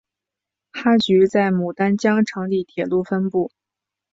哈局在牡丹江成立铁路分局。